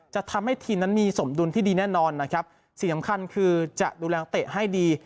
จะทำให้ทีมนั้นมีสมดุลที่ดีแน่นอนนะครับสิ่งสำคัญคือจะดูแลนักเตะให้ดี